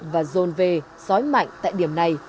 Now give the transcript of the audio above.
và rôn về xói mạnh tại điểm này